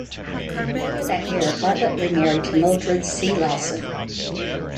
Later that year, Bartlett remarried to Mildred C. Lawson.